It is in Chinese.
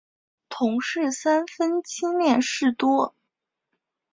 同事三分亲恋事多。